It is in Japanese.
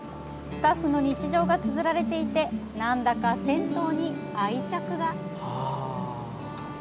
スタッフの日常がつづられていてなんだか銭湯に愛着が。